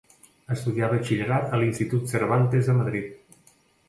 Estudià Batxillerat a l'institut Cervantes de Madrid.